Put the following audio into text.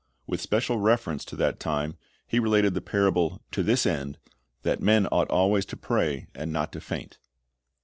With special reference to that time He related the parable "to this end, that men ought always to pray, and not to faint."